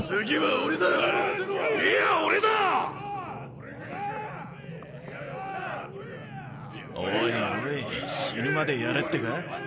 おいおい死ぬまでやれってか？